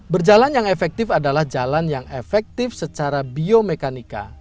berjalan yang efektif adalah jalan yang efektif secara biomekanika